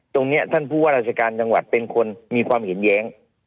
ตรงนี้ท่านผู้ว่าราชการจังหวัดเป็นคนมีความเห็นแย้ง